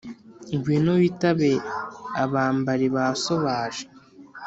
ngwino witabe abambari ba so baje.